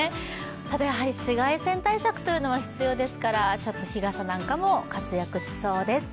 ただ、紫外線対策というのは必要ですから、日傘なんかも活躍しそうです。